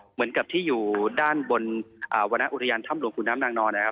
เหมือนกับที่อยู่ด้านบนวรรณอุทยานถ้ำหลวงขุนน้ำนางนอนนะครับ